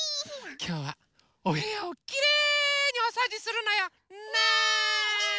きょうはおへやをきれいにおそうじするのよ。ね！